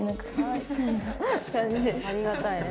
ありがたいね